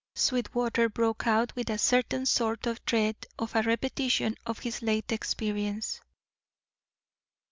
Sweetwater broke out with a certain sort of dread of a repetition of his late experience.